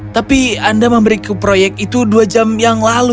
tapi anda memberi ke proyek itu dua jam yang lalu